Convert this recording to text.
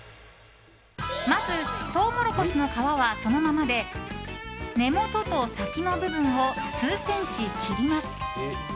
まず、トウモロコシの皮はそのままで根元と先の部分を数センチ切ります。